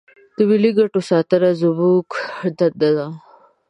د ملي ګټو ساتنه زموږ دنده ده.